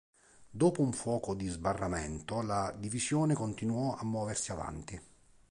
Dopo un fuoco di sbarramento, la divisione continuò a muoversi avanti.